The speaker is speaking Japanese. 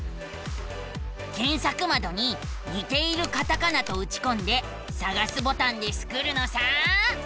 けんさくまどに「にているカタカナ」とうちこんでさがすボタンでスクるのさ。